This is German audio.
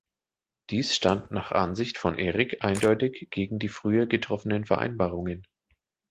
Dies stand nach Ansicht von Erik eindeutig gegen die früher getroffenen Vereinbarungen.